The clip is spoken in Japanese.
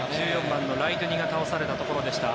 １４番のライドゥニが倒されたところでした。